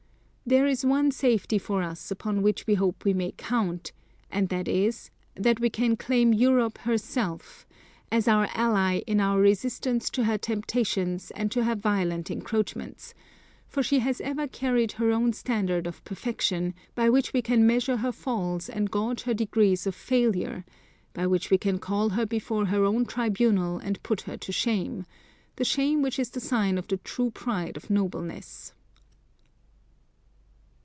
There is one safety for us upon which we hope we may count, and that is, that we can claim Europe herself, as our ally, in our resistance to her temptations and to her violent encroachments; for she has ever carried her own standard of perfection, by which we can measure her falls and gauge her degrees of failure, by which we can call her before her own tribunal and put her to shame, the shame which is the sign of the true pride of nobleness.